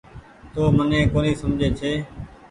تو مني ڪونيٚ سمجھي ڇي۔